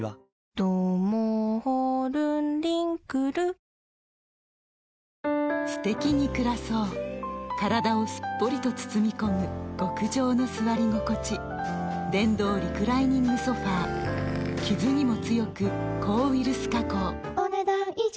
ハローすてきに暮らそう体をすっぽりと包み込む極上の座り心地電動リクライニングソファ傷にも強く抗ウイルス加工お、ねだん以上。